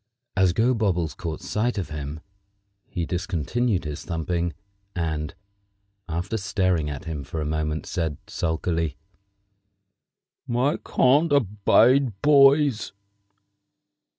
As Gobobbles caught sight of him he discontinued his thumping, and, after staring at him for a moment, said sulkily: "I can't abide boys!"